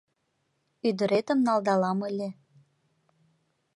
Ӱдыретым налдалам ыле.